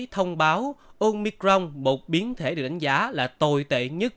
thông báo ômicron một biến thể được đánh giá là tồi tệ nhất